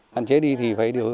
hạn chế đi thì phải điều tiết